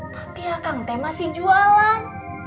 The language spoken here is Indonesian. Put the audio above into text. tapi akan masih jualan